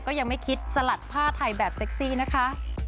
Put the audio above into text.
ก็ยังไม่คิดสลัดผ้าไทยแบบเซ็กซี่นะคะ